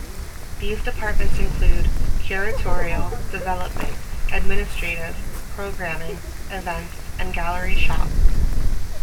These departments include: Curatorial, Development, Administrative, Programming, Events and Gallery Shop.